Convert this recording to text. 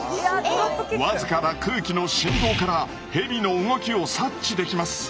僅かな空気の振動からヘビの動きを察知できます。